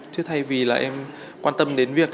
thế thay vì là em quan tâm đến việc